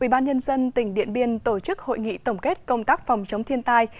ban nhân dân tỉnh điện biên tổ chức hội nghị tổng kết công tác phòng chống thiên tai